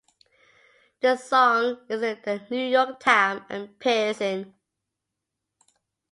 The song is the The New York Tam and Pearson.